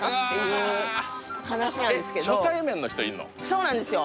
そうなんですよ